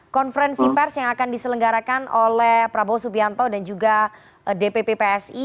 konferensi pers yang akan diselenggarakan oleh prabowo subianto dan juga dpp psi